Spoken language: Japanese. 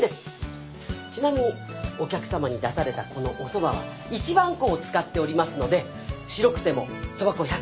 ちなみにお客さまに出されたこのおそばは１番粉を使っておりますので白くてもそば粉１００％